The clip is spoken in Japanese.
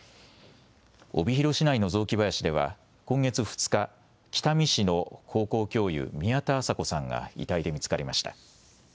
帯広市内の雑木林では今月２日、北見市の高校教諭、宮田麻子さんが遺体で見つかりました。